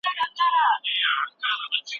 ګډونوالو وویل، رنګ بېساري و.